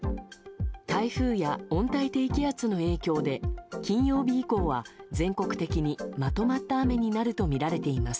台風や温帯低気圧の影響で金曜日以降は全国的にまとまった雨になるとみられています。